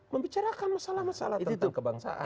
membicarakan masalah masalah tentang kebangsaan